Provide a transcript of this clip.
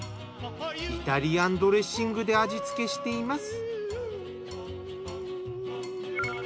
イタリアンドレッシングで味付けしています。